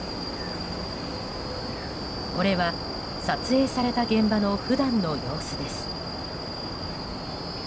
これは撮影された現場の普段の様子です。